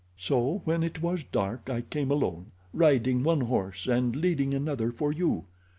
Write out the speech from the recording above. "So when it was dark I came alone, riding one horse and leading another for you.